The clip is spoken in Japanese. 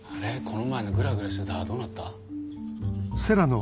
この前のグラグラしてた歯どうなった？